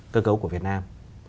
cơ cấu của việt nam